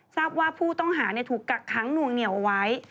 ทราบว่าผู้ต้องหาถูกกักค้างหน่วงเหนียวเอาไว้